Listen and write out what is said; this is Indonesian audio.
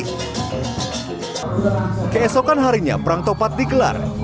keesokan harinya perang topat digelar